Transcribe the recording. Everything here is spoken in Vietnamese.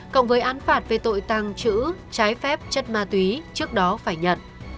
cộng với án phạt về tội tăng chữ trái phép chất ma túy trước đó phải nhận